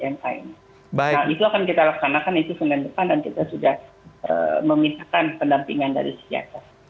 nah itu akan kita laksanakan itu senin depan dan kita sudah memintakan pendampingan dari psikiater